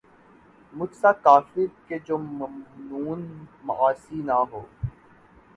مجھ سا کافر کہ جو ممنون معاصی نہ ہوا